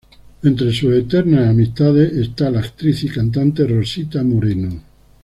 Entre sus eternas amistades esta la actriz y cantante Rosita Moreno.